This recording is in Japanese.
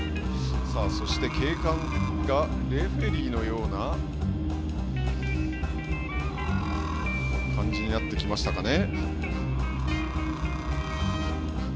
そして、警官がレフリーのような感じになってきましたかね。